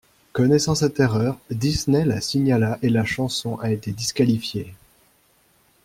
Connaissant cette erreur, Disney la signala et la chanson a été disqualifiée.